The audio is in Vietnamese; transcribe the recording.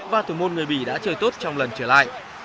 và thủ môn người bỉ đã chơi tốt trong lần trở lại